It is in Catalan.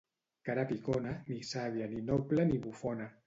Cara picona, ni sàvia, ni noble ni bufona.